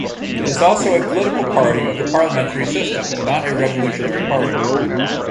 It is also a political party of the parliamentary system, not a revolutionary party.